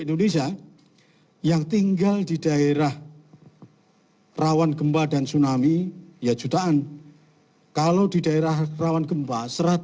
indonesia yang tinggal di daerah rawan gempa dan tsunami ya jutaan kalau di daerah rawan gempa